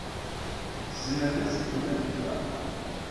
Tzemrem ad t-teǧǧem ad yeffeɣ?